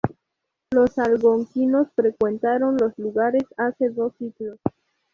Los algonquinos frecuentaron los lugares hace dos siglos.